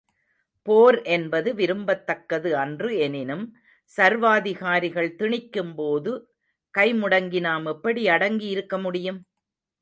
போர் என்பது விரும்பத்தக்கது அன்று எனினும் சர்வாதிகாரிகள் திணிக்கும் போது கைமுடங்கி நாம் எப்படி அடங்கி இருக்க முடியும்?